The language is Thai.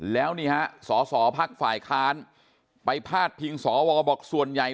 แล้วนี่ฮะสอสอพักฝ่ายค้านไปพาดพิงสวบอกส่วนใหญ่